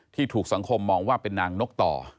ถูกสังคมมองว่าเป็นนางนกต่อ